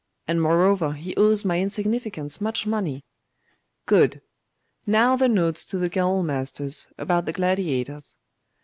And moreover, he owes my insignificance much money.' 'Good! Now the notes to the Gaol masters, about the gladiators.